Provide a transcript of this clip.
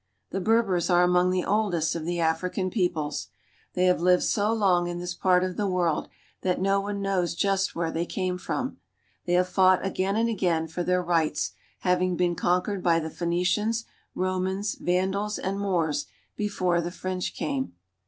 The Berbers are 3iong the oldest of ; African peoples ; tey have lived so long in this part of the world that no "one knows just where they came from. They have fought again and again for their rights, having been conquered by the Phoenicians, Romans, Vandals, and Moors before the JPrench came.